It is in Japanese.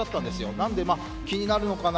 なので気になるのかな